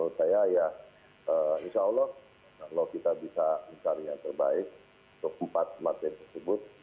menurut saya ya insya allah kalau kita bisa mencari yang terbaik untuk empat partai tersebut